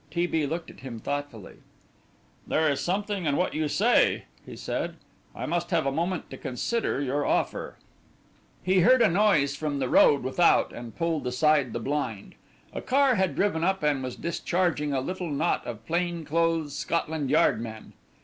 T. B. looked at him thoughtfully. "There is something in what you say," he said. "I must have a moment to consider your offer." He heard a noise from the road without and pulled aside the blind. A car had driven up and was discharging a little knot of plain clothes Scotland Yard men.